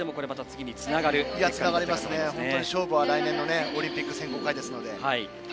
本当に勝負は来年のオリンピック選考会ですので。